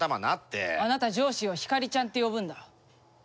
あなた上司を「ひかりちゃん」って呼ぶんだ？